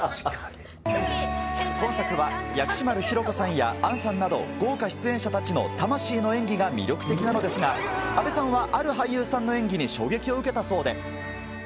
今作は薬師丸ひろ子さんや杏さんなど、豪華出演者たちの魂の演技が魅力的なのですが、阿部さんはある俳優さんの演技に衝撃を受けたそうで。